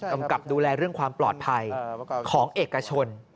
ำกับดูแลเรื่องความปลอดภัยของเอกชน